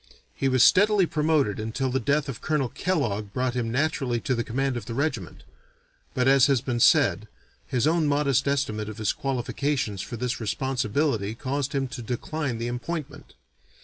He was steadily promoted until the death of Colonel Kellogg brought him naturally to the command of the regiment; but, as has been said, his own modest estimate of his qualifications for this responsibility caused him to decline the appointment.